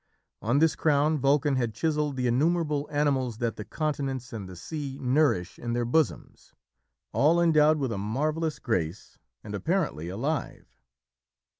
On this crown Vulcan had chiselled the innumerable animals that the continents and the sea nourish in their bosoms, all endowed with a marvellous grace and apparently alive.